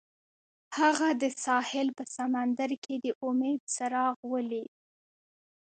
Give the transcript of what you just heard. هغه د ساحل په سمندر کې د امید څراغ ولید.